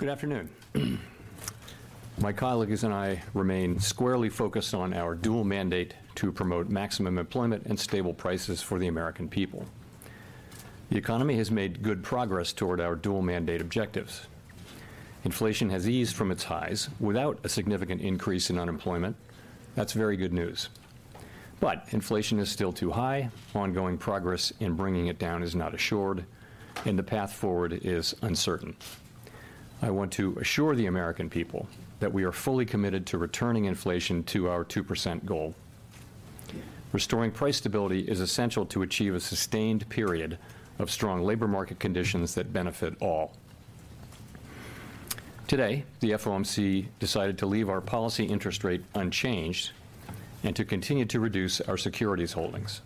Good afternoon. My colleagues and I remain squarely focused on our dual mandate to promote maximum employment and stable prices for the American people. The economy has made good progress toward our dual mandate objectives. Inflation has eased from its highs without a significant increase in unemployment. That's very good news, but inflation is still too high. Ongoing progress in bringing it down is not assured, and the path forward is uncertain. I want to assure the American people that we are fully committed to returning inflation to our 2% goal. Restoring price stability is essential to achieve a sustained period of strong labor market conditions that benefit all. Today, the FOMC decided to leave our policy interest rate unchanged and to continue to reduce our securities holdings.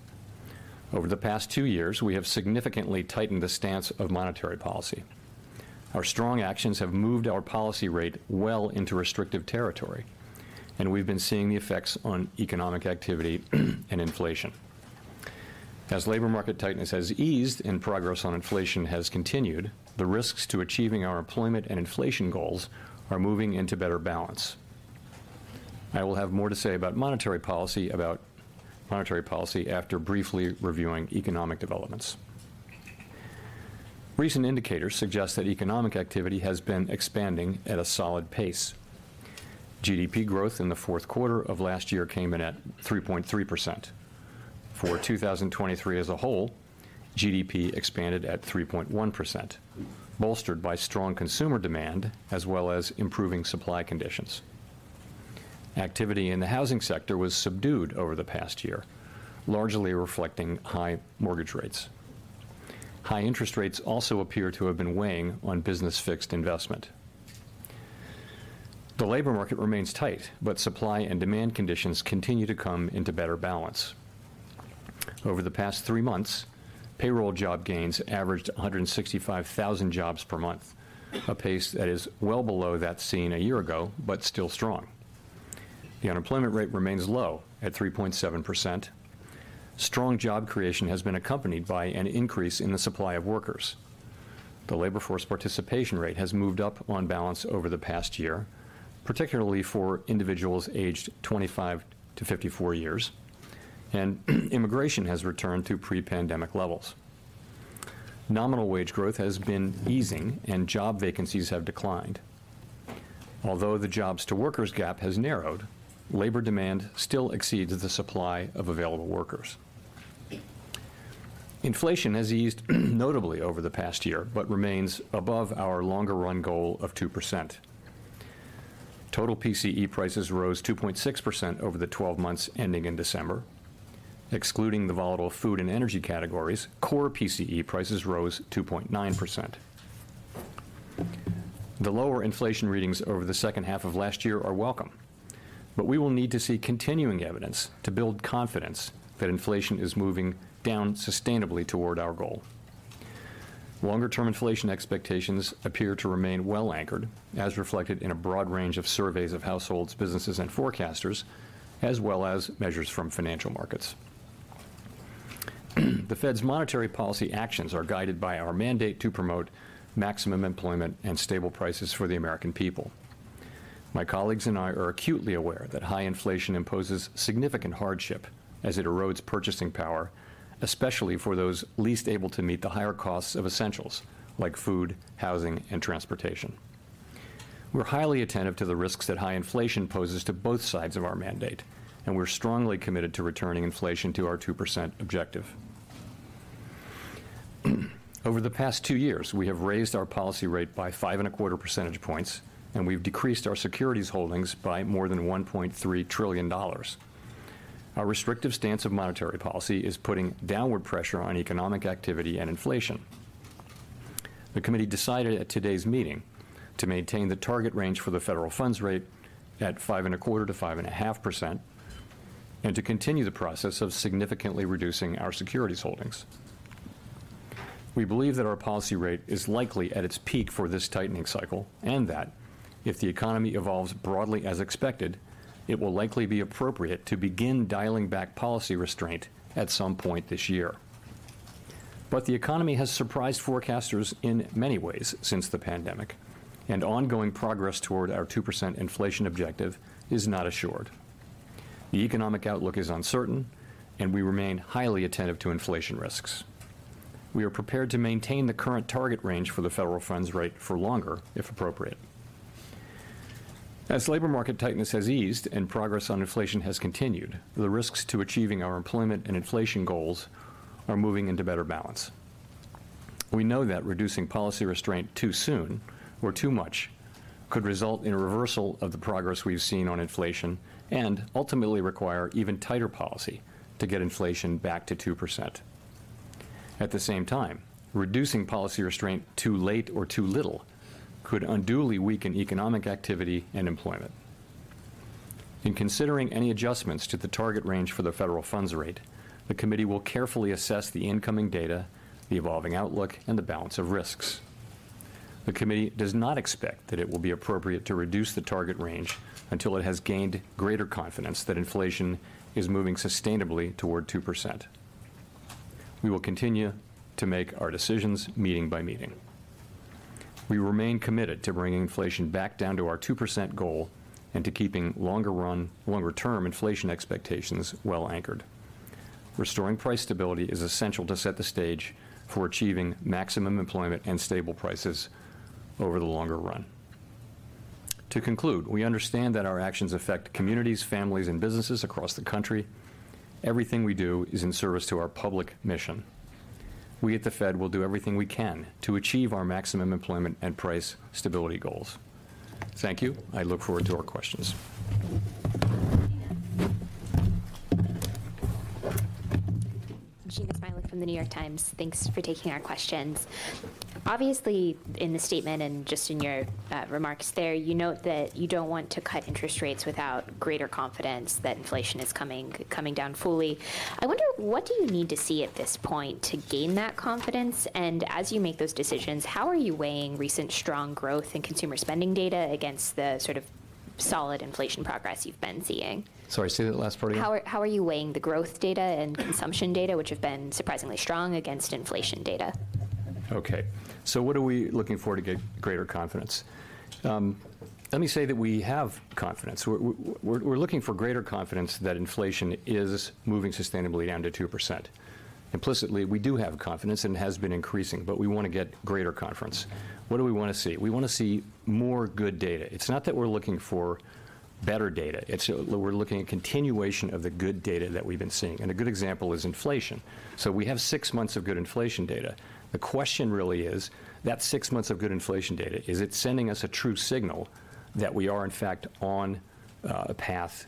Over the past two years, we have significantly tightened the stance of monetary policy. Our strong actions have moved our policy rate well into restrictive territory, and we've been seeing the effects on economic activity and inflation. As labor market tightness has eased and progress on inflation has continued, the risks to achieving our employment and inflation goals are moving into better balance. I will have more to say about monetary policy, about monetary policy after briefly reviewing economic developments. Recent indicators suggest that economic activity has been expanding at a solid pace. GDP growth in the fourth quarter of last year came in at 3.3%. For 2023 as a whole, GDP expanded at 3.1%, bolstered by strong consumer demand as well as improving supply conditions. Activity in the housing sector was subdued over the past year, largely reflecting high mortgage rates. High interest rates also appear to have been weighing on business fixed investment. The labor market remains tight, but supply and demand conditions continue to come into better balance. Over the past 3 months, payroll job gains averaged 165,000 jobs per month, a pace that is well below that seen a year ago, but still strong. The unemployment rate remains low at 3.7%. Strong job creation has been accompanied by an increase in the supply of workers. The labor force participation rate has moved up on balance over the past year, particularly for individuals aged 25 to 54 years, and immigration has returned to pre-pandemic levels. Nominal wage growth has been easing, and job vacancies have declined. Although the jobs-to-workers gap has narrowed, labor demand still exceeds the supply of available workers. Inflation has eased notably over the past year, but remains above our longer run goal of 2%. Total PCE prices rose 2.6% over the 12 months ending in December. Excluding the volatile food and energy categories, core PCE prices rose 2.9%. The lower inflation readings over the second half of last year are welcome, but we will need to see continuing evidence to build confidence that inflation is moving down sustainably toward our goal. Longer-term inflation expectations appear to remain well anchored, as reflected in a broad range of surveys of households, businesses, and forecasters, as well as measures from financial markets. The Fed's monetary policy actions are guided by our mandate to promote maximum employment and stable prices for the American people. My colleagues and I are acutely aware that high inflation imposes significant hardship as it erodes purchasing power, especially for those least able to meet the higher costs of essentials like food, housing, and transportation. We're highly attentive to the risks that high inflation poses to both sides of our mandate, and we're strongly committed to returning inflation to our 2% objective. Over the past two years, we have raised our policy rate by 5.25 percentage points, and we've decreased our securities holdings by more than $1.3 trillion. Our restrictive stance of monetary policy is putting downward pressure on economic activity and inflation. The committee decided at today's meeting to maintain the target range for the Federal funds rate at 5.25%-5.5%, and to continue the process of significantly reducing our securities holdings. We believe that our policy rate is likely at its peak for this tightening cycle, and that if the economy evolves broadly as expected, it will likely be appropriate to begin dialing back policy restraint at some point this year. But the economy has surprised forecasters in many ways since the pandemic, and ongoing progress toward our 2% inflation objective is not assured. The economic outlook is uncertain, and we remain highly attentive to inflation risks. We are prepared to maintain the current target range for the Federal funds rate for longer, if appropriate. As labor market tightness has eased and progress on inflation has continued, the risks to achieving our employment and inflation goals are moving into better balance. We know that reducing policy restraint too soon or too much could result in a reversal of the progress we've seen on inflation and ultimately require even tighter policy to get inflation back to 2%. At the same time, reducing policy restraint too late or too little could unduly weaken economic activity and employment. In considering any adjustments to the target range for the Federal funds rate, the committee will carefully assess the incoming data, the evolving outlook, and the balance of risks. The committee does not expect that it will be appropriate to reduce the target range until it has gained greater confidence that inflation is moving sustainably toward 2%.... we will continue to make our decisions meeting by meeting. We remain committed to bringing inflation back down to our 2% goal and to keeping longer run, longer term inflation expectations well anchored. Restoring price stability is essential to set the stage for achieving maximum employment and stable prices over the longer run. To conclude, we understand that our actions affect communities, families, and businesses across the country. Everything we do is in service to our public mission. We at the Fed will do everything we can to achieve our maximum employment and price stability goals. Thank you. I look forward to our questions. Jeanna Smialek from The New York Times. Thanks for taking our questions. Obviously, in the statement and just in your remarks there, you note that you don't want to cut interest rates without greater confidence that inflation is coming, coming down fully. I wonder, what do you need to see at this point to gain that confidence? And as you make those decisions, how are you weighing recent strong growth in consumer spending data against the sort of solid inflation progress you've been seeing? Sorry, say that last part again. How are you weighing the growth data and consumption data, which have been surprisingly strong, against inflation data? Okay, so what are we looking for to get greater confidence? Let me say that we have confidence. We're looking for greater confidence that inflation is moving sustainably down to 2%. Implicitly, we do have confidence, and it has been increasing, but we want to get greater confidence. What do we want to see? We want to see more good data. It's not that we're looking for better data. It's, we're looking at continuation of the good data that we've been seeing, and a good example is inflation. So we have six months of good inflation data. The question really is, that six months of good inflation data, is it sending us a true signal that we are, in fact, on a path,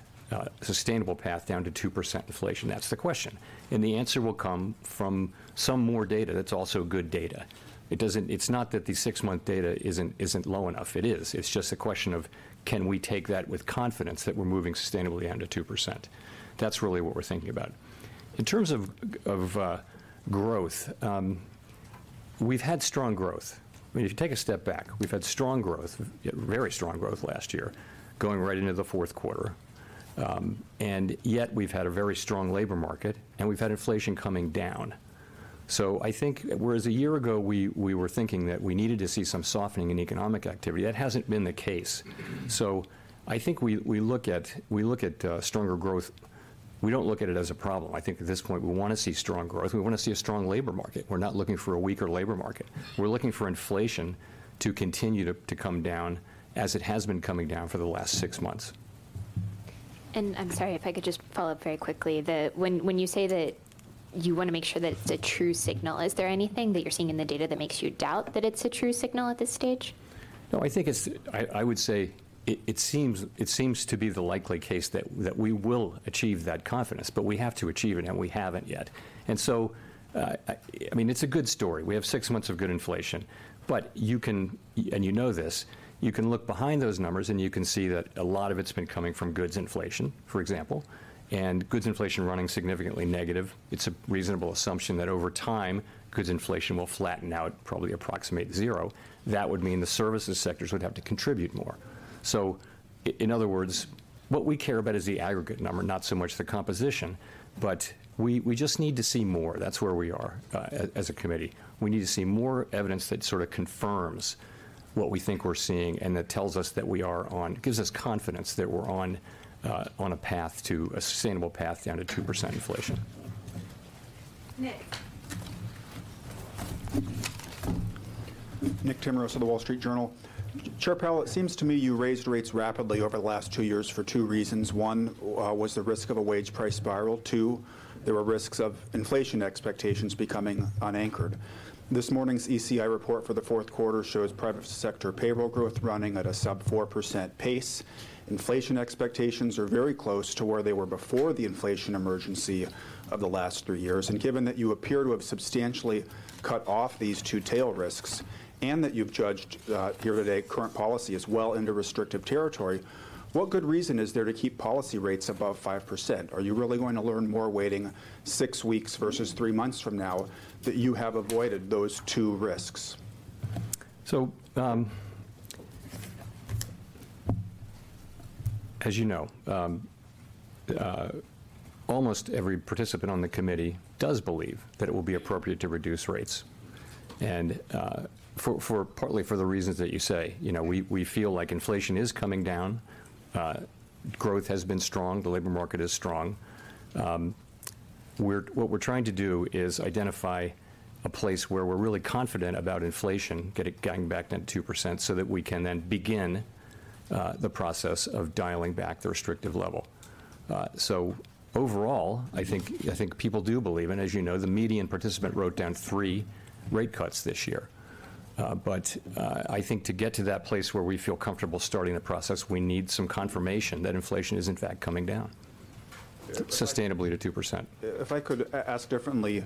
sustainable path down to 2% inflation? That's the question. The answer will come from some more data that's also good data. It doesn't. It's not that the six-month data isn't low enough. It is. It's just a question of, can we take that with confidence that we're moving sustainably down to 2%? That's really what we're thinking about. In terms of growth, we've had strong growth. I mean, if you take a step back, we've had strong growth, very strong growth last year, going right into the fourth quarter. And yet we've had a very strong labor market, and we've had inflation coming down. So I think whereas a year ago, we were thinking that we needed to see some softening in economic activity, that hasn't been the case. So I think we look at stronger growth. We don't look at it as a problem. I think at this point, we want to see strong growth. We want to see a strong labor market. We're not looking for a weaker labor market. We're looking for inflation to continue to come down as it has been coming down for the last six months. I'm sorry, if I could just follow up very quickly. The, when, when you say that you want to make sure that it's a true signal, is there anything that you're seeing in the data that makes you doubt that it's a true signal at this stage? No, I think it's I would say it seems, it seems to be the likely case that we will achieve that confidence, but we have to achieve it, and we haven't yet. And so, I mean, it's a good story. We have six months of good inflation, but you can, and you know this, you can look behind those numbers, and you can see that a lot of it's been coming from goods inflation, for example, and goods inflation running significantly negative. It's a reasonable assumption that over time, goods inflation will flatten out, probably approximate zero. That would mean the services sectors would have to contribute more. So in other words, what we care about is the aggregate number, not so much the composition, but we just need to see more. That's where we are, as a committee. We need to see more evidence that sort of confirms what we think we're seeing and that tells us that we are on, gives us confidence that we're on a path to a sustainable path down to 2% inflation. Nick. Nick Timiraos of The Wall Street Journal. Chair Powell, it seems to me you raised rates rapidly over the last 2 years for 2 reasons. 1, was the risk of a wage price spiral. 2, there were risks of inflation expectations becoming unanchored. This morning's ECI report for the fourth quarter shows private sector payroll growth running at a sub 4% pace. Inflation expectations are very close to where they were before the inflation emergency of the last 3 years. And given that you appear to have substantially cut off these two tail risks and that you've judged here today, current policy as well into restrictive territory, what good reason is there to keep policy rates above 5%? Are you really going to learn more, waiting 6 weeks versus 3 months from now, that you have avoided those two risks? So, as you know, almost every participant on the committee does believe that it will be appropriate to reduce rates. And, partly for the reasons that you say, you know, we feel like inflation is coming down, growth has been strong, the labor market is strong. What we're trying to do is identify a place where we're really confident about inflation getting back down to 2%, so that we can then begin the process of dialing back the restrictive level. So overall, I think people do believe, and as you know, the median participant wrote down 3 rate cuts this year. But, I think to get to that place where we feel comfortable starting the process, we need some confirmation that inflation is, in fact, coming down... sustainably to 2%. If I could ask differently,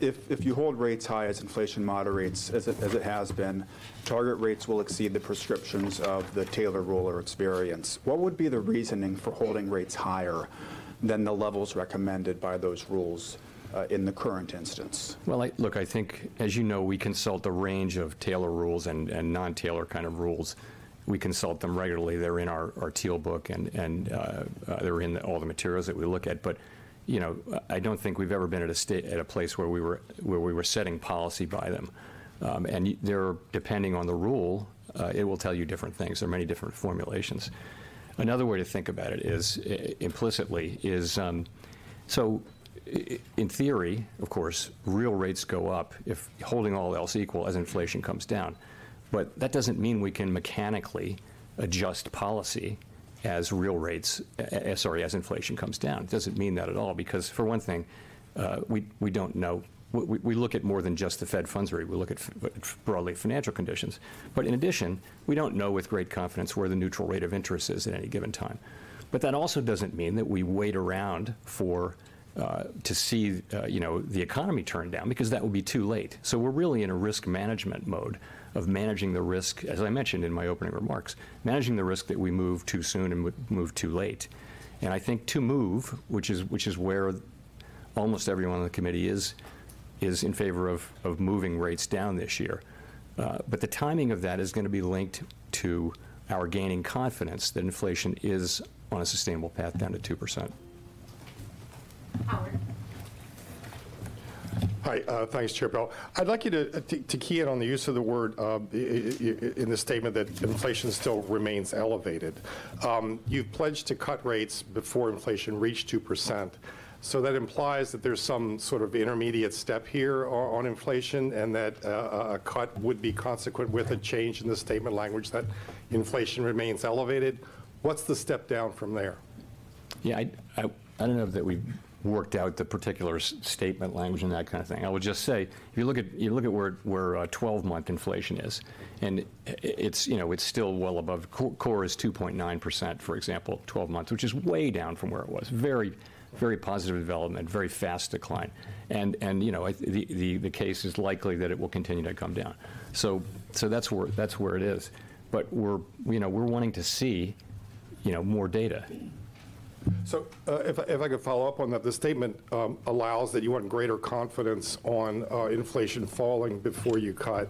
if you hold rates high as inflation moderates, as it has been, target rates will exceed the prescriptions of the Taylor rule or experience. What would be the reasoning for holding rates higher than the levels recommended by those rules, in the current instance? Well, look, I think, as you know, we consult a range of Taylor rules and non-Taylor kind of rules. We consult them regularly. They're in our Tealbook, and they're in all the materials that we look at. But, you know, I don't think we've ever been at a place where we were setting policy by them. And depending on the rule, it will tell you different things. There are many different formulations. Another way to think about it is, implicitly, is, so in theory, of course, real rates go up if holding all else equal as inflation comes down. But that doesn't mean we can mechanically adjust policy as real rates, sorry, as inflation comes down. It doesn't mean that at all, because, for one thing, we don't know... We look at more than just the Fed funds rate. We look at broadly, financial conditions. But in addition, we don't know with great confidence where the neutral rate of interest is at any given time. But that also doesn't mean that we wait around to see, you know, the economy turn down, because that will be too late. So we're really in a risk management mode of managing the risk, as I mentioned in my opening remarks, managing the risk that we move too soon and move too late. And I think to move, which is, which is where almost everyone on the committee is, is in favor of, of moving rates down this year. But the timing of that is gonna be linked to our gaining confidence that inflation is on a sustainable path down to 2%. Howard. Hi, thanks, Chair Powell. I'd like you to key in on the use of the word in the statement that inflation still remains elevated. You've pledged to cut rates before inflation reached 2%. So that implies that there's some sort of intermediate step here on inflation, and that a cut would be consequent with a change in the statement language, that inflation remains elevated. What's the step down from there? Yeah, I don't know that we've worked out the particular statement language and that kind of thing. I would just say, if you look at where 12-month inflation is, and it's, you know, it's still well above, core is 2.9%, for example, 12 months, which is way down from where it was. Very, very positive development, very fast decline. And, you know, the case is likely that it will continue to come down. So, that's where it is. But we're, you know, we're wanting to see, you know, more data. So, if I could follow up on that, the statement allows that you want greater confidence on inflation falling before you cut,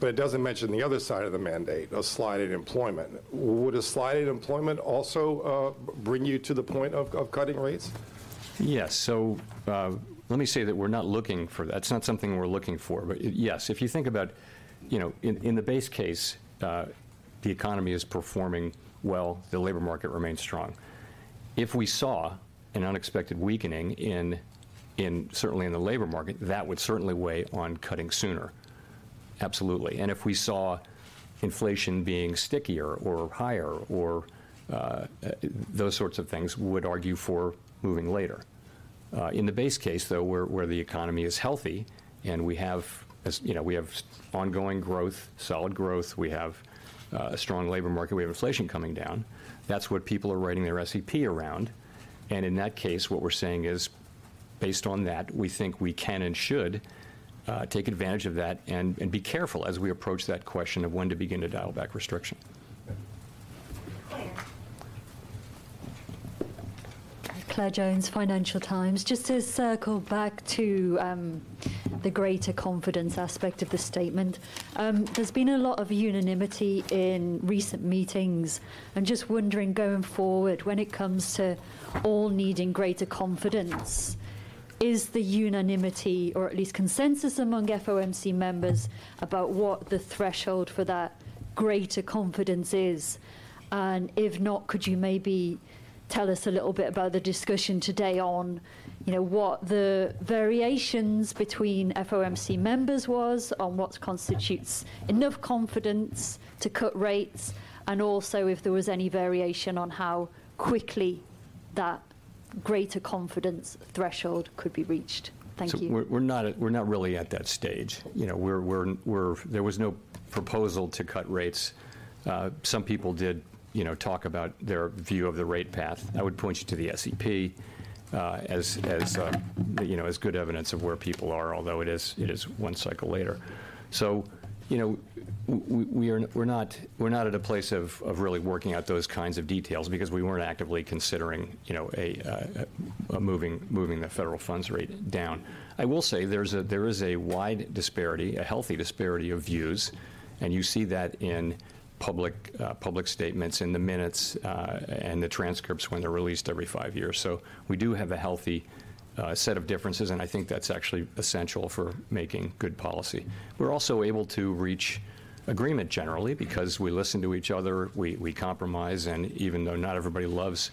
but it doesn't mention the other side of the mandate, a slide in employment. Would a slide in employment also bring you to the point of cutting rates? Yes. So, let me say that we're not looking for that. It's not something we're looking for. But yes, if you think about, you know, in the base case, the economy is performing well, the labor market remains strong. If we saw an unexpected weakening in certainly the labor market, that would certainly weigh on cutting sooner. Absolutely. And if we saw inflation being stickier or higher or those sorts of things, we would argue for moving later. In the base case, though, where the economy is healthy and we have, as you know, we have ongoing growth, solid growth, we have a strong labor market, we have inflation coming down, that's what people are writing their SEP around. In that case, what we're saying is, based on that, we think we can and should take advantage of that and be careful as we approach that question of when to begin to dial back restriction. Thank you. Claire. Claire Jones, Financial Times. Just to circle back to the greater confidence aspect of the statement, there's been a lot of unanimity in recent meetings. I'm just wondering, going forward, when it comes to all needing greater confidence, is the unanimity or at least consensus among FOMC members about what the threshold for that greater confidence is? And if not, could you maybe tell us a little bit about the discussion today on, you know, what the variations between FOMC members was on what constitutes enough confidence to cut rates, and also if there was any variation on how quickly that greater confidence threshold could be reached? Thank you. So we're not at, we're not really at that stage. You know, we're not at a place of really working out those kinds of details because we weren't actively considering, you know, a moving the federal funds rate down. There was no proposal to cut rates. Some people did, you know, talk about their view of the rate path. I would point you to the SEP as good evidence of where people are, although it is one cycle later. So, you know, we are not at a place of really working out those kinds of details because we weren't actively considering, you know, a moving the federal funds rate down. I will say there's a, there is a wide disparity, a healthy disparity of views, and you see that in public statements, in the minutes, and the transcripts when they're released every five years. So we do have a healthy set of differences, and I think that's actually essential for making good policy. We're also able to reach agreement generally because we listen to each other, we compromise, and even though not everybody loves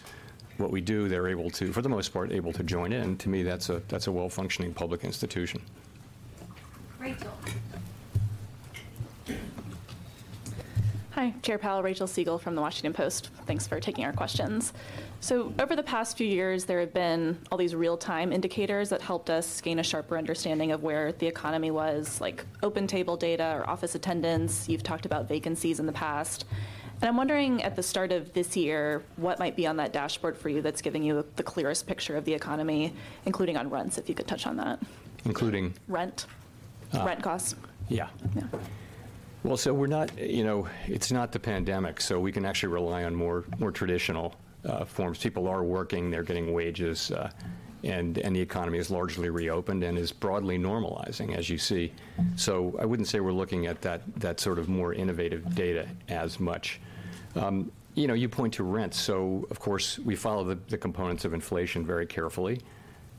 what we do, they're able to, for the most part, join in. To me, that's a well-functioning public institution. Rachel. Hi, Chair Powell, Rachel Siegel from The Washington Post. Thanks for taking our questions. So over the past few years, there have been all these real-time indicators that helped us gain a sharper understanding of where the economy was, like open table data or office attendance. You've talked about vacancies in the past, and I'm wondering, at the start of this year, what might be on that dashboard for you that's giving you the clearest picture of the economy, including on rents, if you could touch on that? Including? Rent.... rent costs? Yeah. Yeah. Well, so we're not, you know, it's not the pandemic, so we can actually rely on more, more traditional forms. People are working, they're getting wages, and the economy is largely reopened and is broadly normalizing, as you see. So I wouldn't say we're looking at that, that sort of more innovative data as much. You know, you point to rent, so of course, we follow the components of inflation very carefully,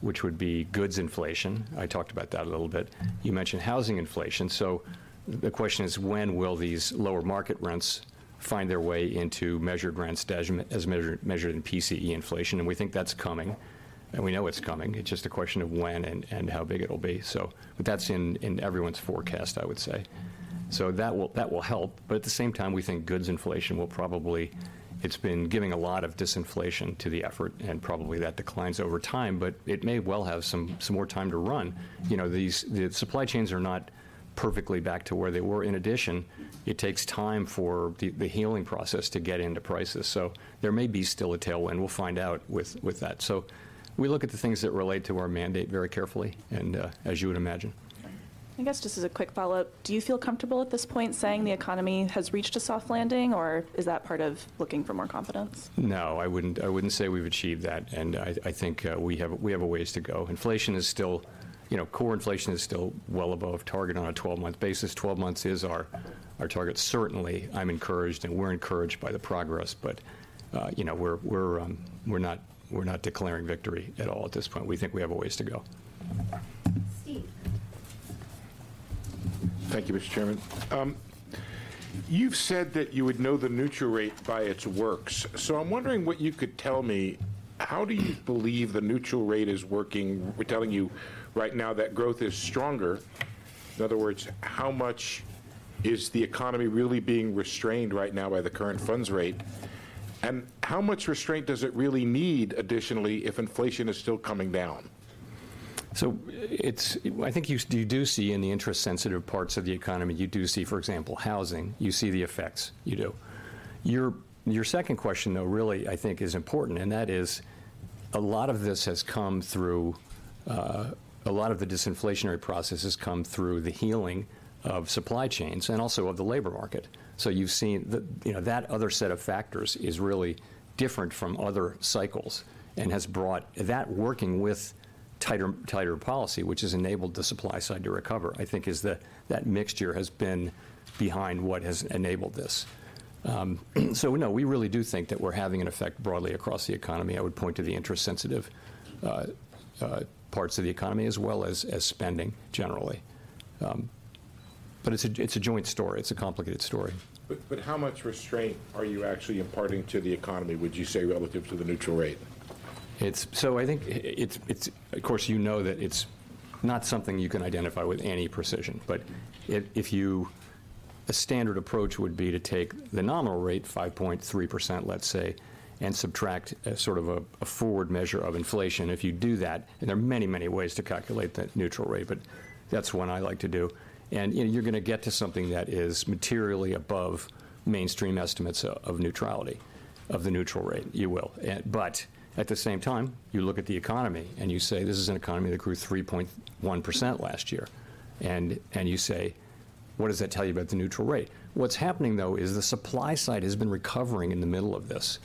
which would be goods inflation. I talked about that a little bit. You mentioned housing inflation, so the question is, when will these lower market rents find their way into measured rents as measured in PCE inflation? And we think that's coming, and we know it's coming. It's just a question of when and how big it'll be. So but that's in everyone's forecast, I would say. So that will, that will help, but at the same time, we think goods inflation will probably—it's been giving a lot of disinflation to the effort, and probably that declines over time, but it may well have some more time to run. You know, these, the supply chains are not perfectly back to where they were. In addition, it takes time for the healing process to get into prices. So there may be still a tailwind. We'll find out with that. So we look at the things that relate to our mandate very carefully, and as you would imagine. I guess just as a quick follow-up, do you feel comfortable at this point saying the economy has reached a soft landing, or is that part of looking for more confidence? No, I wouldn't, I wouldn't say we've achieved that, and I, I think, we have, we have a ways to go. Inflation is still... you know, core inflation is still well above target on a 12-month basis. 12 months is our, our target. Certainly, I'm encouraged, and we're encouraged by the progress, but, you know, we're, we're, we're not, we're not declaring victory at all at this point. We think we have a ways to go. Steve. Thank you, Mr. Chairman. You've said that you would know the neutral rate by its works. So I'm wondering what you could tell me, how do you believe the neutral rate is working? We're telling you right now that growth is stronger. In other words, how much is the economy really being restrained right now by the current funds rate? And how much restraint does it really need additionally, if inflation is still coming down? So it's, I think you, you do see in the interest-sensitive parts of the economy, you do see, for example, housing, you see the effects, you do. Your, your second question, though, really, I think is important, and that is, a lot of this has come through, a lot of the disinflationary process has come through the healing of supply chains and also of the labor market. So you've seen that, you know, that other set of factors is really different from other cycles and has brought-- that working with tighter, tighter policy, which has enabled the supply side to recover, I think is the, that mixture has been behind what has enabled this. So no, we really do think that we're having an effect broadly across the economy. I would point to the interest-sensitive, parts of the economy as well as, as spending generally. But it's a joint story. It's a complicated story. But how much restraint are you actually imparting to the economy, would you say, relative to the neutral rate? It's so I think it's, it's, of course, you know that it's not something you can identify with any precision. But if you a standard approach would be to take the nominal rate, 5.3%, let's say, and subtract a sort of forward measure of inflation. If you do that, and there are many, many ways to calculate the neutral rate, but that's one I like to do. And you're gonna get to something that is materially above mainstream estimates of neutrality, of the neutral rate, you will. But at the same time, you look at the economy, and you say, "This is an economy that grew 3.1% last year." And you say: What does that tell you about the neutral rate? What's happening, though, is the supply side has been recovering in the middle of this,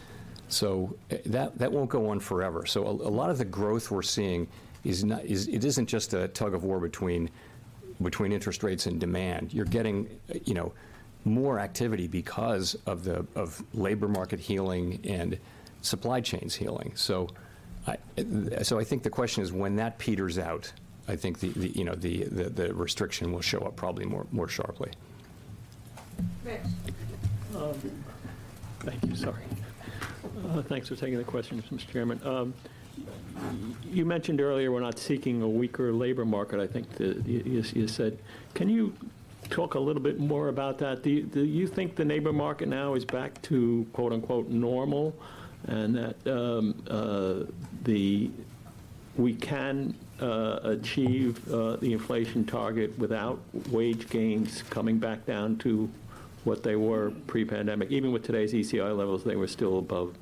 so that won't go on forever. So a lot of the growth we're seeing is not, it isn't just a tug-of-war between interest rates and demand. You're getting, you know, more activity because of the labor market healing and supply chains healing. So I, so I think the question is, when that peters out, I think the, you know, the restriction will show up probably more sharply. Rich. Thank you. Sorry. Thanks for taking the question, Mr. Chairman. You mentioned earlier, we're not seeking a weaker labor market, I think, you said. Can you talk a little bit more about that? Do you think the labor market now is back to, quote, unquote, "normal," and that we can achieve the inflation target without wage gains coming back down to what they were pre-pandemic? Even with today's ECI levels, they were still above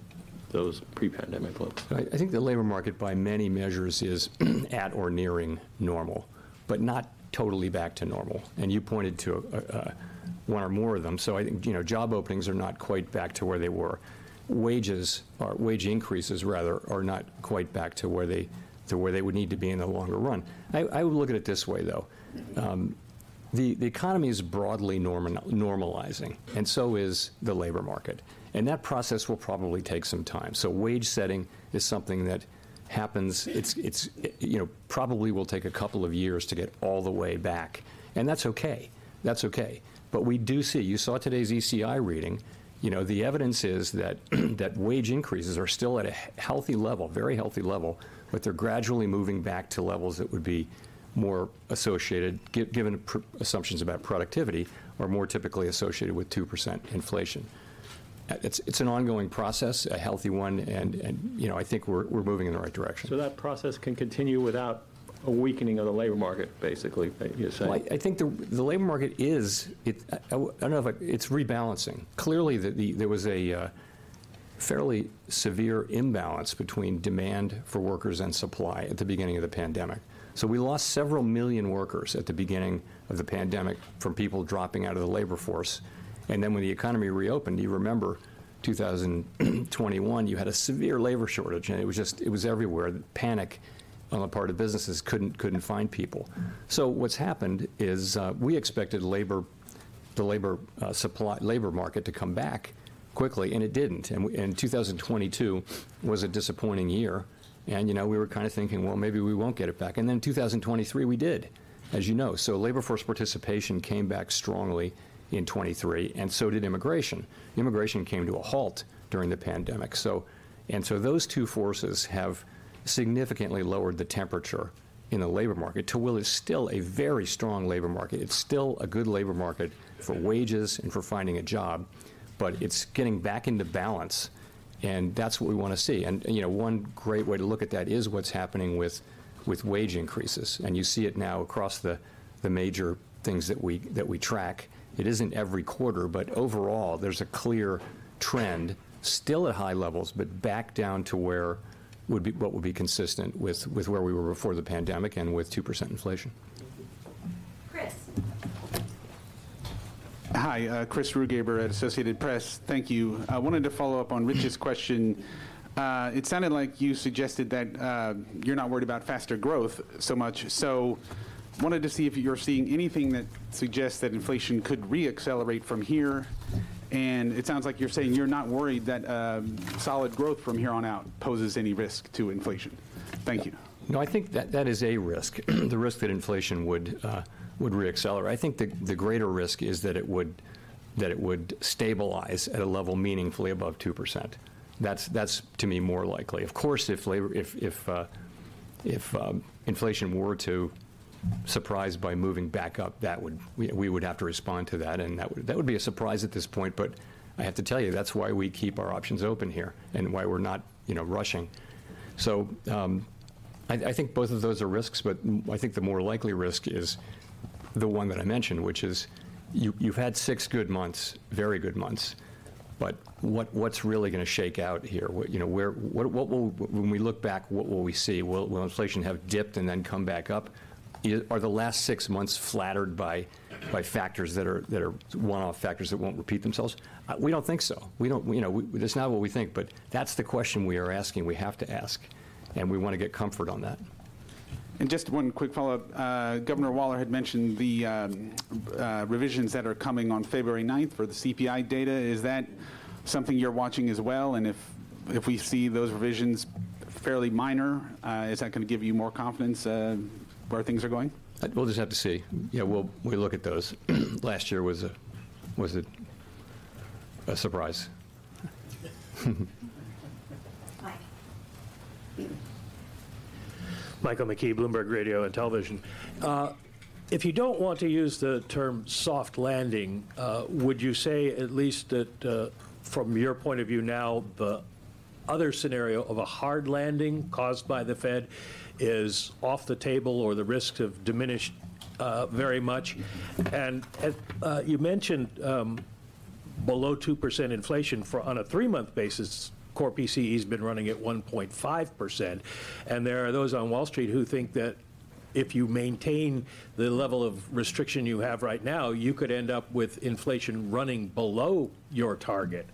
those pre-pandemic levels. I think the labor market, by many measures, is at or nearing normal, but not totally back to normal. You pointed to one or more of them. So I think, you know, job openings are not quite back to where they were. Wages or wage increases, rather, are not quite back to where they would need to be in the longer run. I would look at it this way, though. The economy is broadly normalizing, and so is the labor market, and that process will probably take some time. So wage setting is something that happens. It's, you know, probably will take a couple of years to get all the way back, and that's okay. That's okay. But we do see, you saw today's ECI reading, you know, the evidence is that, that wage increases are still at a healthy level, very healthy level, but they're gradually moving back to levels that would be more associated, given productivity assumptions, are more typically associated with 2% inflation. It's an ongoing process, a healthy one, and, you know, I think we're moving in the right direction. So that process can continue without a weakening of the labor market, basically, you're saying? Well, I think the labor market is. I don't know if it's rebalancing. Clearly, there was a fairly severe imbalance between demand for workers and supply at the beginning of the pandemic. So we lost several million workers at the beginning of the pandemic from people dropping out of the labor force. And then when the economy reopened, you remember, 2021, you had a severe labor shortage, and it was just it was everywhere. Panic on the part of businesses couldn't find people. So what's happened is, we expected labor supply, labor market to come back quickly, and it didn't. And 2022 was a disappointing year, and, you know, we were kind of thinking, "Well, maybe we won't get it back." And then 2023, we did, as you know. So labor force participation came back strongly in 2023, and so did immigration. Immigration came to a halt during the pandemic. So, and so those two forces have significantly lowered the temperature in the labor market to where it's still a very strong labor market. It's still a good labor market for wages and for finding a job, but it's getting back into balance, and that's what we wanna see. And, and, you know, one great way to look at that is what's happening with, with wage increases. And you see it now across the, the major things that we, that we track. It isn't every quarter, but overall, there's a clear trend, still at high levels, but back down to what would be consistent with where we were before the pandemic and with 2% inflation. Chris. Hi, Chris Rugaber at Associated Press. Thank you. I wanted to follow up on Rich's question. It sounded like you suggested that you're not worried about faster growth so much, so wanted to see if you're seeing anything that suggests that inflation could re-accelerate from here. And it sounds like you're saying you're not worried that solid growth from here on out poses any risk to inflation. Thank you. No, I think that that is a risk, the risk that inflation would, would re-accelerate. I think the, the greater risk is that it would, that it would stabilize at a level meaningfully above 2%. That's, that's, to me, more likely. Of course, if labor, if, if, if, inflation were to surprise by moving back up, that would... We, we would have to respond to that, and that would, that would be a surprise at this point. But I have to tell you, that's why we keep our options open here and why we're not, you know, rushing. So, I, I think both of those are risks, but I think the more likely risk is the one that I mentioned, which is, you, you've had six good months, very good months, but what, what's really gonna shake out here? You know, what will... When we look back, what will we see? Will inflation have dipped and then come back up? Are the last six months flattered by factors that are one-off factors that won't repeat themselves? We don't think so. You know, that's not what we think, but that's the question we are asking, we have to ask, and we wanna get comfort on that. Just one quick follow-up. Governor Waller had mentioned the revisions that are coming on February ninth for the CPI data. Is that something you're watching as well? And if we see those revisions fairly minor, is that gonna give you more confidence where things are going? We'll just have to see. Yeah, we'll look at those. Last year was a surprise. Mike. Michael McKee, Bloomberg Radio and Television. If you don't want to use the term soft landing, would you say at least that, from your point of view now, the other scenario of a hard landing caused by the Fed is off the table or the risk have diminished, very much? And, you mentioned, below 2% inflation for, on a three-month basis, Core PCE has been running at 1.5%, and there are those on Wall Street who think that if you maintain the level of restriction you have right now, you could end up with inflation running below your target.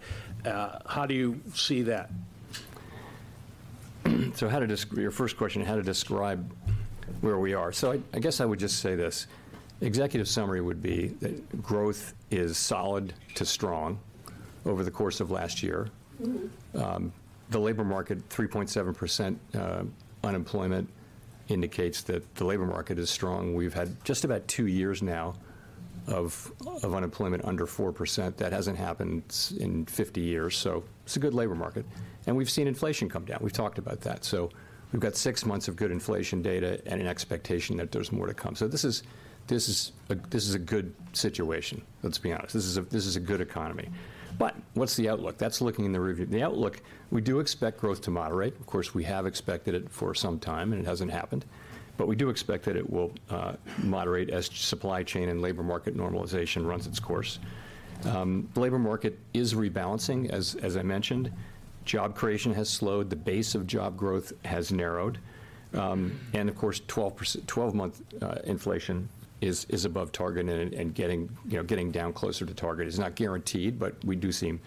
How do you see that? So how to describe your first question, how to describe where we are. So I, I guess I would just say this: executive summary would be that growth is solid to strong over the course of last year. Mm-hmm. The labor market, 3.7% unemployment, indicates that the labor market is strong. We've had just about 2 years now of unemployment under 4%. That hasn't happened in 50 years, so it's a good labor market. And we've seen inflation come down. We've talked about that. So we've got 6 months of good inflation data and an expectation that there's more to come. So this is, this is a, this is a good situation, let's be honest. This is a, this is a good economy. But what's the outlook? That's looking in the rear view. The outlook, we do expect growth to moderate. Of course, we have expected it for some time, and it hasn't happened, but we do expect that it will moderate as supply chain and labor market normalization runs its course. The labor market is rebalancing, as I mentioned. Job creation has slowed. The base of job growth has narrowed. Of course, 12-month inflation is above target, and getting, you know, getting down closer to target is not guaranteed, but we do seem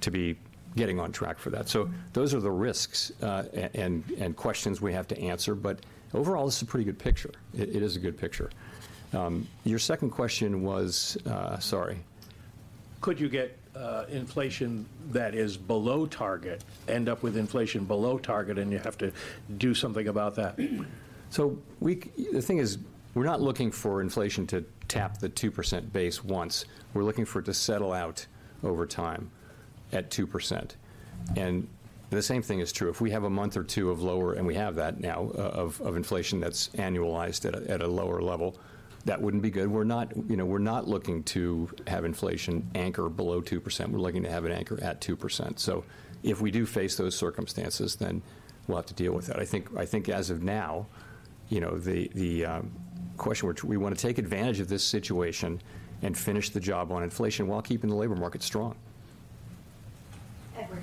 to be getting on track for that. So those are the risks and questions we have to answer, but overall, this is a pretty good picture. It is a good picture. Your second question was, sorry? Could you get, inflation that is below target, end up with inflation below target, and you have to do something about that? So the thing is, we're not looking for inflation to tap the 2% pace once. We're looking for it to settle out over time at 2%. And the same thing is true. If we have a month or two of lower, and we have that now, of inflation that's annualized at a lower level, that wouldn't be good. We're not, you know, we're not looking to have inflation anchor below 2%. We're looking to have it anchor at 2%. So if we do face those circumstances, then we'll have to deal with that. I think as of now, you know, the question, which we wanna take advantage of this situation and finish the job on inflation while keeping the labor market strong. Edward.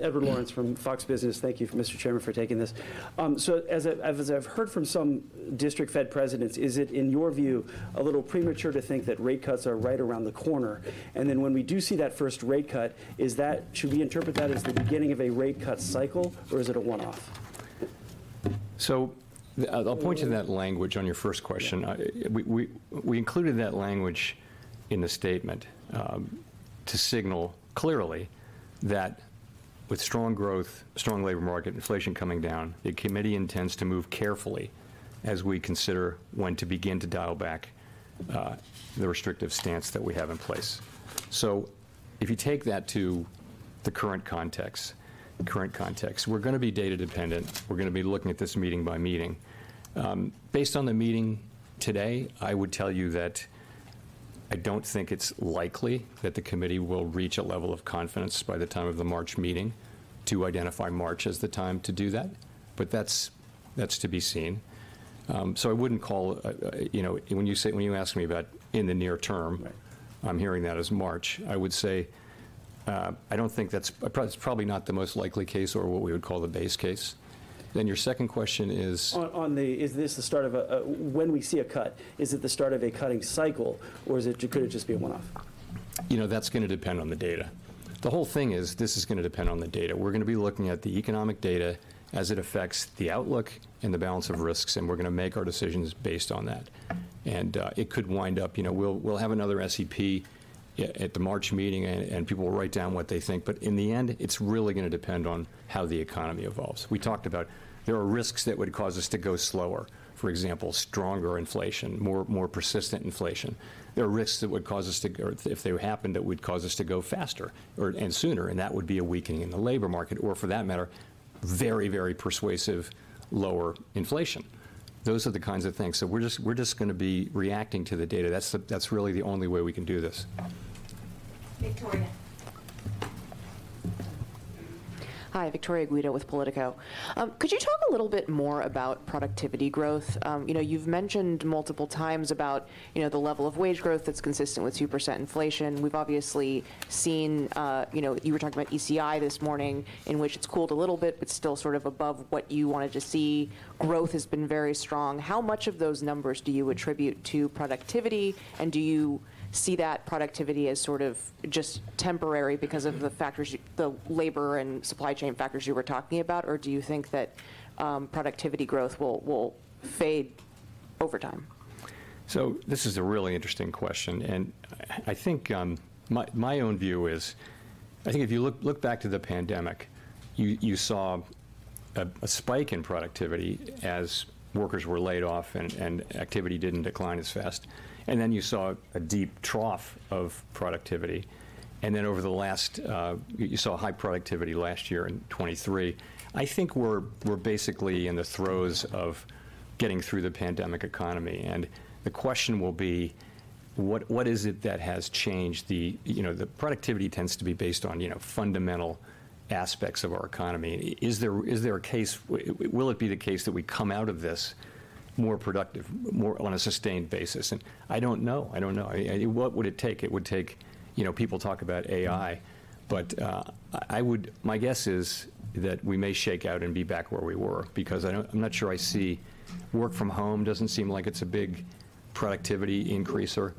Edward Lawrence from Fox Business. Thank you, Mr. Chairman, for taking this. So as I've heard from some district Fed presidents, is it, in your view, a little premature to think that rate cuts are right around the corner? And then when we do see that first rate cut, is that-should we interpret that as the beginning of a rate cut cycle, or is it a one-off? So the, I'll point to that language on your first question. We included that language in the statement to signal clearly that with strong growth, strong labor market, inflation coming down, the committee intends to move carefully as we consider when to begin to dial back the restrictive stance that we have in place. So if you take that to the current context, we're gonna be data dependent. We're gonna be looking at this meeting by meeting. Based on the meeting today, I would tell you that I don't think it's likely that the committee will reach a level of confidence by the time of the March meeting to identify March as the time to do that, but that's to be seen. So I wouldn't call... You know, when you ask me about in the near term- Right... I'm hearing that as March. I would say, I don't think it's probably not the most likely case or what we would call the base case. Then your second question is? When we see a cut, is it the start of a cutting cycle, or could it just be a one-off? You know, that's gonna depend on the data. The whole thing is, this is gonna depend on the data. We're gonna be looking at the economic data as it affects the outlook and the balance of risks, and we're gonna make our decisions based on that. And it could wind up, you know, we'll have another SEP at the March meeting, and people will write down what they think. But in the end, it's really gonna depend on how the economy evolves. We talked about there are risks that would cause us to go slower, for example, stronger inflation, more, more persistent inflation. There are risks that would cause us to, or if they happened, that would cause us to go faster or, and sooner, and that would be a weakening in the labor market, or for that matter, very, very persuasive lower inflation. Those are the kinds of things. So we're just, we're just gonna be reacting to the data. That's the, that's really the only way we can do this. Victoria. Hi, Victoria Guida with POLITICO. Could you talk a little bit more about productivity growth? You know, you've mentioned multiple times about, you know, the level of wage growth that's consistent with 2% inflation. We've obviously seen, you know, you were talking about ECI this morning, in which it's cooled a little bit, but still sort of above what you wanted to see. Growth has been very strong. How much of those numbers do you attribute to productivity, and do you see that productivity as sort of just temporary because of the factors, the labor and supply chain factors you were talking about? Or do you think that productivity growth will fade over time? So this is a really interesting question, and I think my own view is, I think if you look back to the pandemic, you saw a spike in productivity as workers were laid off, and activity didn't decline as fast. And then you saw a deep trough of productivity, and then over the last. You saw high productivity last year in 2023. I think we're basically in the throes of getting through the pandemic economy, and the question will be: What is it that has changed? You know, the productivity tends to be based on, you know, fundamental aspects of our economy. Is there a case? Will it be the case that we come out of this more productive, more on a sustained basis? And I don't know. I don't know. I... What would it take? It would take, you know, people talk about AI, but I would, my guess is that we may shake out and be back where we were because I don't, I'm not sure I see. Work from home doesn't seem like it's a big productivity increaser.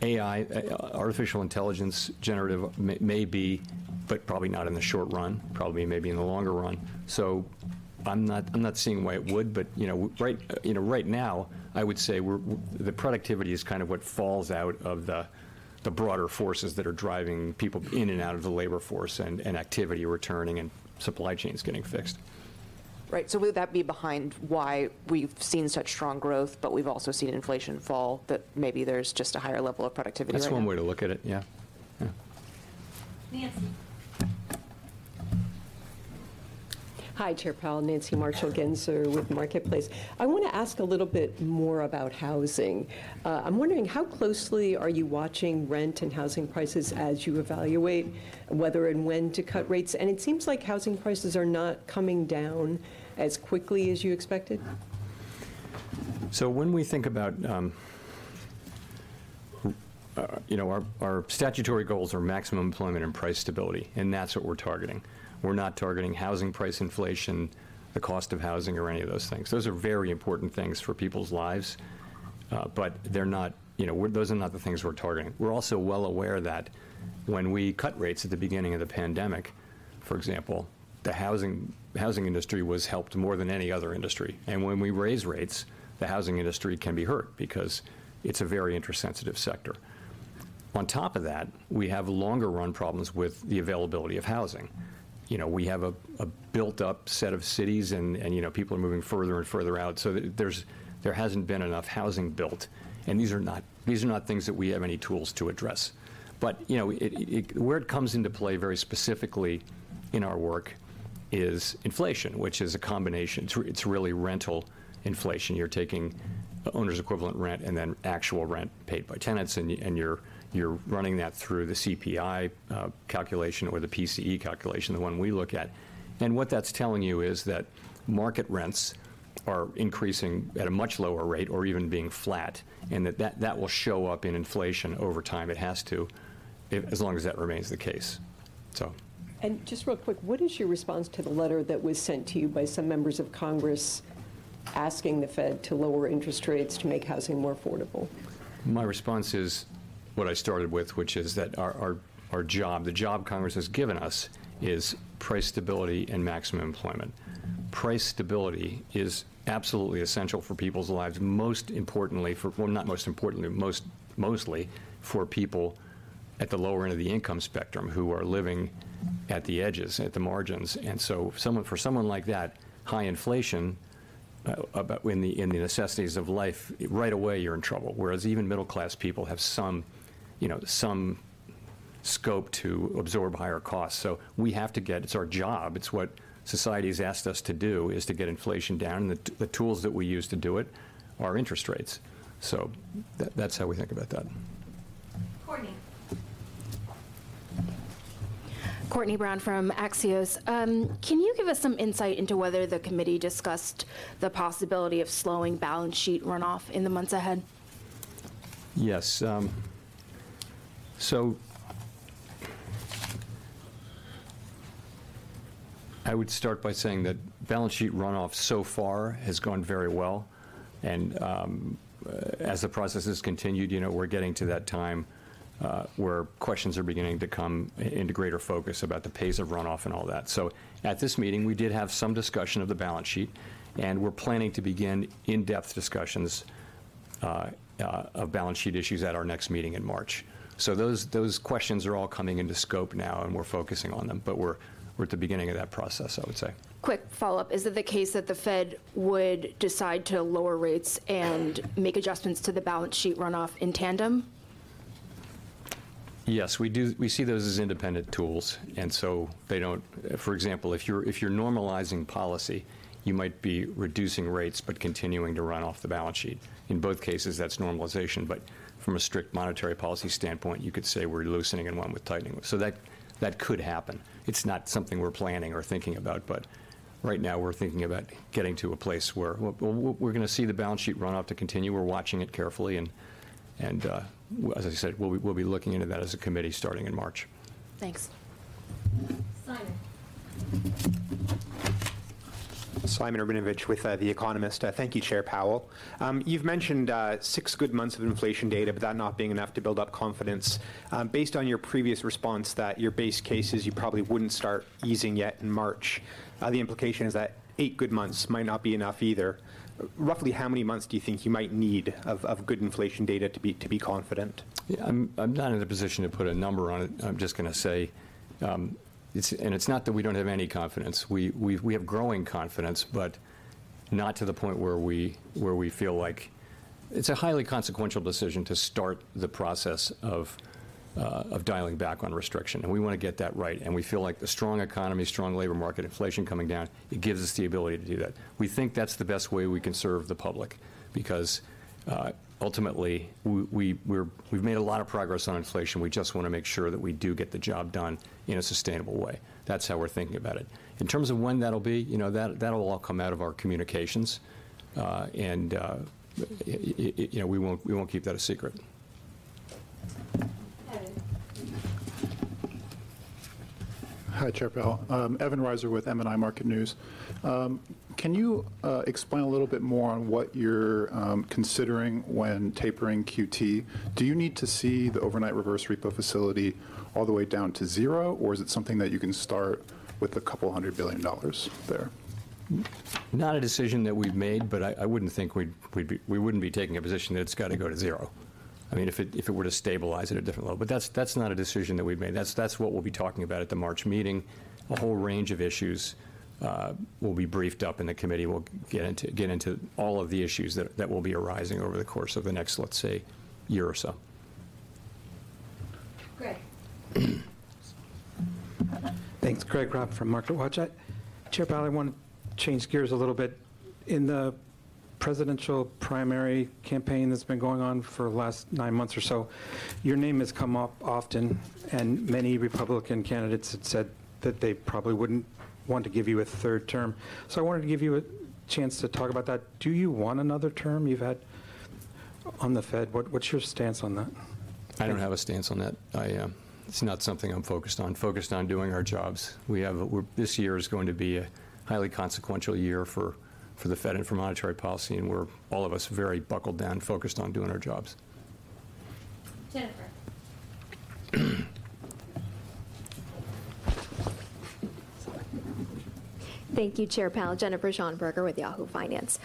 AI, artificial intelligence, generative, may be, but probably not in the short run, probably maybe in the longer run. So I'm not seeing why it would. But, you know, right now, I would say we're, the productivity is kind of what falls out of the broader forces that are driving people in and out of the labor force and activity returning and supply chains getting fixed. Right. So would that be behind why we've seen such strong growth, but we've also seen inflation fall, that maybe there's just a higher level of productivity right now? That's one way to look at it, yeah. Yeah. Nancy. Hi, Chair Powell, Nancy Marshall-Genzer with Marketplace. I want to ask a little bit more about housing. I'm wondering, how closely are you watching rent and housing prices as you evaluate whether and when to cut rates? And it seems like housing prices are not coming down as quickly as you expected. So when we think about, you know, our statutory goals are maximum employment and price stability, and that's what we're targeting. We're not targeting housing price inflation, the cost of housing, or any of those things. Those are very important things for people's lives, but they're not, you know, those are not the things we're targeting. We're also well aware that when we cut rates at the beginning of the pandemic, for example, the housing industry was helped more than any other industry. And when we raise rates, the housing industry can be hurt because it's a very interest-sensitive sector. On top of that, we have longer-run problems with the availability of housing. You know, we have a built-up set of cities, and you know, people are moving further and further out, so there's, there hasn't been enough housing built, and these are not, these are not things that we have any tools to address. But, you know, it, where it comes into play very specifically in our work is inflation, which is a combination. It's really rental inflation. You're taking owner's equivalent rent and then actual rent paid by tenants, and you're running that through the CPI calculation or the PCE calculation, the one we look at. And what that's telling you is that market rents are increasing at a much lower rate or even being flat, and that will show up in inflation over time. It has to, as long as that remains the case, so. Just real quick, what is your response to the letter that was sent to you by some members of Congress, asking the Fed to lower interest rates to make housing more affordable? My response is what I started with, which is that our job, the job Congress has given us, is price stability and maximum employment. Price stability is absolutely essential for people's lives, most importantly for—well, not most importantly, mostly for people at the lower end of the income spectrum, who are living at the edges, at the margins. And so someone, for someone like that, high inflation, but in the necessities of life, right away, you're in trouble. Whereas even middle-class people have some, you know, some scope to absorb higher costs. So we have to get—It's our job, it's what society's asked us to do, is to get inflation down, and the tools that we use to do it are interest rates. So that's how we think about that. Courtenay. Courtenay Brown from Axios. Can you give us some insight into whether the committee discussed the possibility of slowing balance sheet runoff in the months ahead? Yes, so I would start by saying that balance sheet runoff so far has gone very well, and as the process has continued, you know, we're getting to that time where questions are beginning to come into greater focus about the pace of runoff and all that. So at this meeting, we did have some discussion of the balance sheet, and we're planning to begin in-depth discussions of balance sheet issues at our next meeting in March. So those questions are all coming into scope now, and we're focusing on them, but we're at the beginning of that process, I would say. Quick follow-up. Is it the case that the Fed would decide to lower rates and make adjustments to the balance sheet runoff in tandem? Yes, we do. We see those as independent tools, and so they don't... For example, if you're normalizing policy, you might be reducing rates but continuing to run off the balance sheet. In both cases, that's normalization, but from a strict monetary policy standpoint, you could say we're loosening and one with tightening. So that could happen. It's not something we're planning or thinking about, but right now we're thinking about getting to a place where we're gonna see the balance sheet runoff to continue. We're watching it carefully, and as I said, we'll be looking into that as a committee starting in March. Thanks. Simon. Simon Rabinovitch with The Economist. Thank you, Chair Powell. You've mentioned six good months of inflation data, but that not being enough to build up confidence. Based on your previous response that your base case is you probably wouldn't start easing yet in March, the implication is that eight good months might not be enough either. Roughly how many months do you think you might need of good inflation data to be confident? Yeah, I'm not in a position to put a number on it. I'm just gonna say, it's - and it's not that we don't have any confidence. We have growing confidence, but not to the point where we feel like... It's a highly consequential decision to start the process of dialing back on restriction, and we wanna get that right. And we feel like the strong economy, strong labor market, inflation coming down, it gives us the ability to do that. We think that's the best way we can serve the public because, ultimately, we've made a lot of progress on inflation. We just wanna make sure that we do get the job done in a sustainable way. That's how we're thinking about it. In terms of when that'll be, you know, that, that'll all come out of our communications. You know, we won't, we won't keep that a secret. Evan. Hi, Chair Powell. Evan Ryser with MNI Market News. Can you explain a little bit more on what you're considering when tapering QT? Do you need to see the overnight reverse repo facility all the way down to zero, or is it something that you can start with a couple hundred billion dollars there? Not a decision that we've made, but I wouldn't think we'd be taking a position that it's gotta go to zero. I mean, if it were to stabilize at a different level, but that's not a decision that we've made. That's what we'll be talking about at the March meeting. A whole range of issues will be briefed up, and the committee will get into all of the issues that will be arising over the course of the next, let's say, year or so. Greg. Thanks. Greg Robb from MarketWatch. Chair Powell, I want to change gears a little bit. In the presidential primary campaign that's been going on for the last nine months or so, your name has come up often, and many Republican candidates had said that they probably wouldn't want to give you a third term. So I wanted to give you a chance to talk about that. Do you want another term? You've had... On the Fed, what, what's your stance on that? I don't have a stance on that. I, it's not something I'm focused on. Focused on doing our jobs. This year is going to be a highly consequential year for, for the Fed and for monetary policy, and we're, all of us, very buckled down, focused on doing our jobs. Jennifer. Thank you, Chair Powell. Jennifer Schonberger with Yahoo Finance.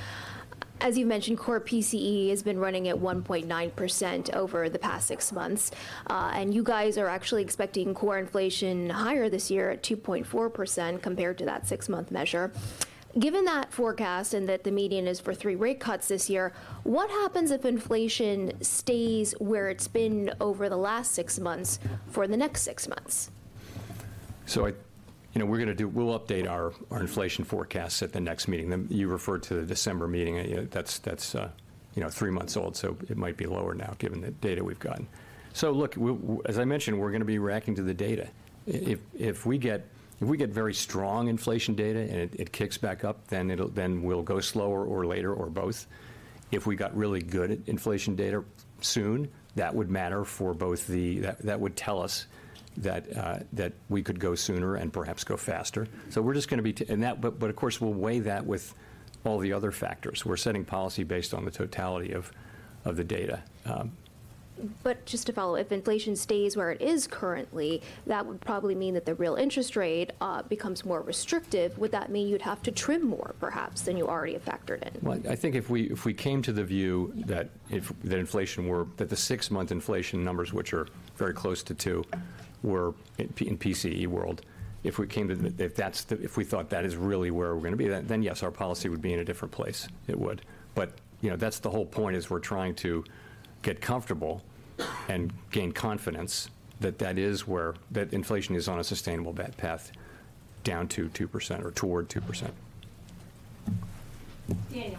As you mentioned, core PCE has been running at 1.9% over the past six months, and you guys are actually expecting core inflation higher this year at 2.4%, compared to that six-month measure. Given that forecast and that the median is for 3 rate cuts this year, what happens if inflation stays where it's been over the last six months for the next six months? You know, we're gonna do. We'll update our inflation forecasts at the next meeting. You referred to the December meeting. Yeah, that's three months old, so it might be lower now, given the data we've gotten. So look, as I mentioned, we're gonna be reacting to the data. If we get very strong inflation data, and it kicks back up, then we'll go slower or later or both. If we got really good inflation data soon, that would matter for both the... That would tell us that we could go sooner and perhaps go faster. So we're just gonna be and that, but of course, we'll weigh that with all the other factors. We're setting policy based on the totality of the data. But just to follow, if inflation stays where it is currently, that would probably mean that the real interest rate becomes more restrictive. Would that mean you'd have to trim more, perhaps, than you already have factored in? Well, I think if we came to the view- Yeah... that if inflation were, that the six-month inflation numbers, which are very close to 2, were in PCE world, if we thought that is really where we're gonna be, then yes, our policy would be in a different place. It would. But, you know, that's the whole point, is we're trying to get comfortable and gain confidence that that is where, that inflation is on a sustainable path down to 2% or toward 2%. Daniel. Hi, Chair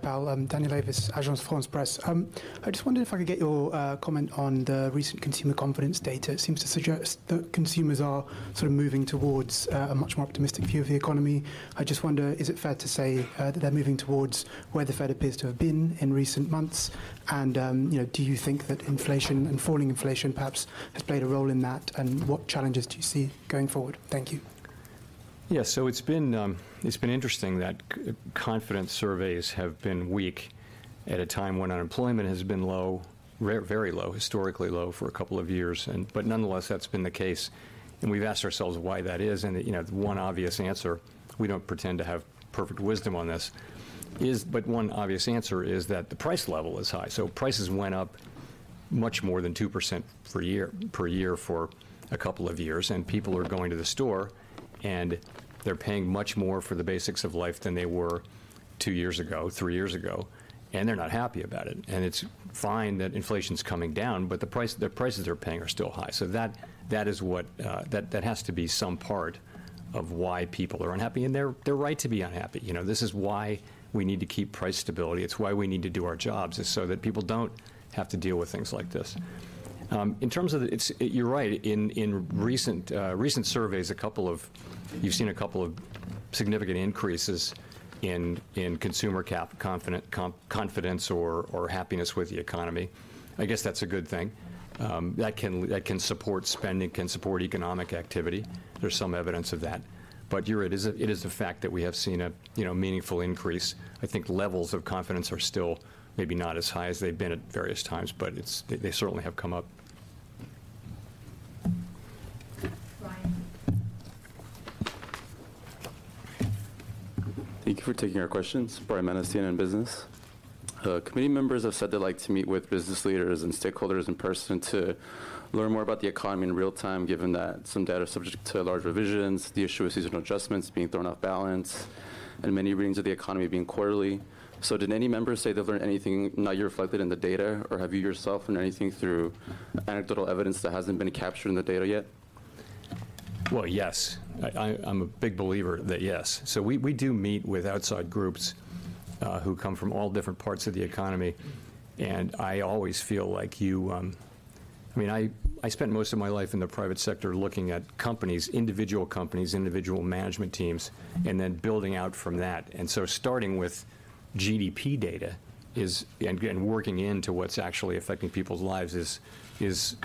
Powell. I'm Daniel Davies, Agence France-Presse. I just wondered if I could get your comment on the recent consumer confidence data. It seems to suggest that consumers are sort of moving towards a much more optimistic view of the economy. I just wonder, is it fair to say that they're moving towards where the Fed appears to have been in recent months? And, you know, do you think that inflation and falling inflation perhaps has played a role in that, and what challenges do you see going forward? Thank you. Yes. So it's been interesting that confidence surveys have been weak at a time when unemployment has been low, very low, historically low, for a couple of years. But nonetheless, that's been the case, and we've asked ourselves why that is. And, you know, one obvious answer, we don't pretend to have perfect wisdom on this, is but one obvious answer is that the price level is high. So prices went up much more than 2% per year, per year for a couple of years, and people are going to the store, and they're paying much more for the basics of life than they were two years ago, three years ago, and they're not happy about it. And it's fine that inflation's coming down, but the price, the prices they're paying are still high. So that is what that has to be some part of why people are unhappy, and they're right to be unhappy. You know, this is why we need to keep price stability. It's why we need to do our jobs, is so that people don't have to deal with things like this. In terms of it, you're right. In recent surveys, you've seen a couple of significant increases in consumer confidence or happiness with the economy. I guess that's a good thing. That can support spending, can support economic activity. There's some evidence of that. But you're right, it is a fact that we have seen a meaningful increase. I think levels of confidence are still maybe not as high as they've been at various times, but it's, they, they certainly have come up. Brian. Thank you for taking our questions. Brian Manness, CNN Business. Committee members have said they'd like to meet with business leaders and stakeholders in person to learn more about the economy in real time, given that some data is subject to large revisions, the issue of seasonal adjustments being thrown off balance, and many readings of the economy being quarterly. So did any members say they've learned anything not yet reflected in the data, or have you yourself learned anything through anecdotal evidence that hasn't been captured in the data yet? Well, yes. I'm a big believer that yes. So we do meet with outside groups who come from all different parts of the economy, and I always feel like you... I mean, I spent most of my life in the private sector looking at companies, individual companies, individual management teams, and then building out from that. And so starting with GDP data is, and working into what's actually affecting people's lives is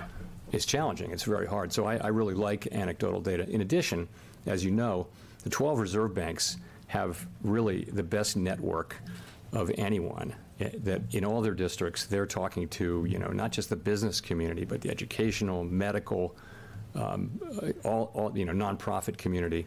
challenging. It's very hard. So I really like anecdotal data. In addition, as you know, the twelve Reserve Banks have really the best network of anyone. That in all their districts, they're talking to, you know, not just the business community, but the educational, medical, all, you know, nonprofit community.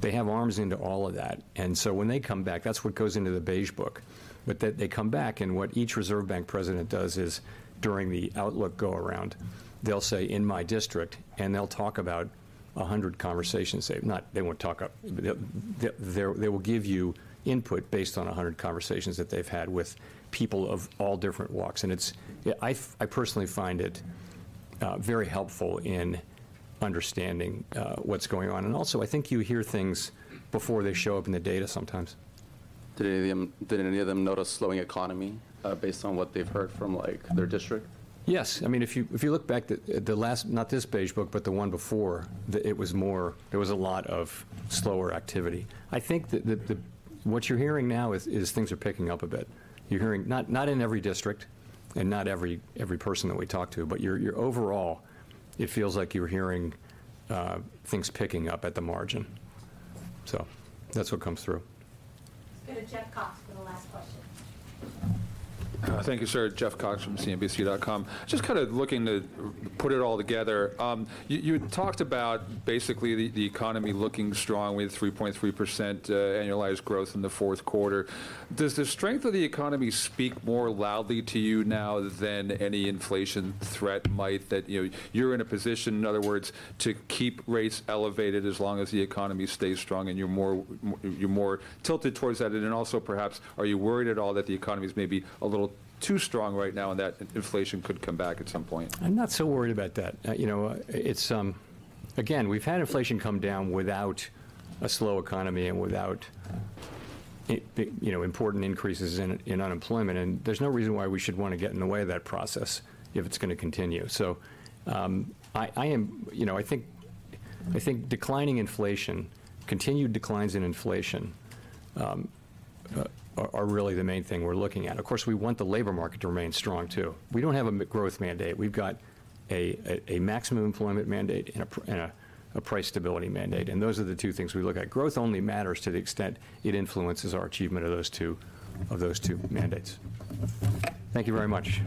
They have arms into all of that, and so when they come back, that's what goes into the Beige Book. But they come back, and what each reserve bank president does is, during the outlook go-around, they'll say, "In my district," and they'll talk about 100 conversations. They won't talk about the, the, they will give you input based on 100 conversations that they've had with people of all different walks. And it's, yeah, I personally find it very helpful in understanding what's going on. And also, I think you hear things before they show up in the data sometimes. Did any of them, did any of them note a slowing economy, based on what they've heard from, like, their district? Yes. I mean, if you look back at the last, not this Beige Book, but the one before, it was more, there was a lot of slower activity. I think that what you're hearing now is things are picking up a bit. You're hearing, not in every district and not every person that we talk to, but overall, it feels like you're hearing things picking up at the margin. So that's what comes through. Let's go to Jeff Cox for the last question. Thank you, sir. Jeff Cox from CNBC.com. Just kind of looking to put it all together, you talked about basically the economy looking strong with 3.3% annualized growth in the fourth quarter. Does the strength of the economy speak more loudly to you now than any inflation threat might? That, you know, you're in a position, in other words, to keep rates elevated as long as the economy stays strong, and you're more tilted towards that. And then also, perhaps, are you worried at all that the economy is maybe a little too strong right now, and that inflation could come back at some point? I'm not so worried about that. You know, it's again, we've had inflation come down without a slow economy and without you know, important increases in unemployment, and there's no reason why we should want to get in the way of that process if it's gonna continue. So, I am, you know, I think declining inflation, continued declines in inflation, are really the main thing we're looking at. Of course, we want the labor market to remain strong, too. We don't have a growth mandate. We've got a maximum employment mandate and a price stability mandate, and those are the two things we look at. Growth only matters to the extent it influences our achievement of those two, of those two mandates. Thank you very much.